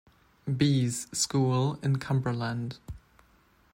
Bees School in Cumberland.